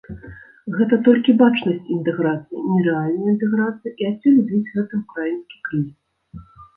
Гэта толькі бачнасць інтэграцыі, не рэальная інтэграцыя, і адсюль увесь гэты ўкраінскі крызіс.